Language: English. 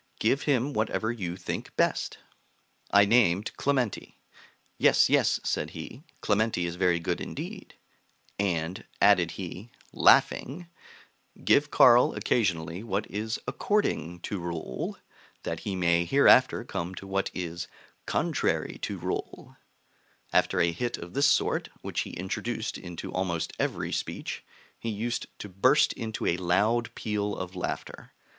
Give him whatever you think best.' I named Clementi. 'Yes, yes,' said he, 'Clementi is very good indeed;' and, added he, laughing, 'Give Carl occasionally what is according to rule, that he may hereafter come to what is contrary to rule.' After a hit of this sort, which he introduced into almost every speech, he used to burst into a loud peal of laughter.